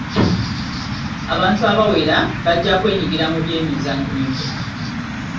Abantu abawera bajja kwenyigira mu byemizannyo.